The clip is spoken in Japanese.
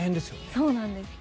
そうなんです。